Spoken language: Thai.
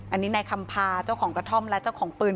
อันนี้ในคำพาเจ้าของกระท่อมและเจ้าของปืน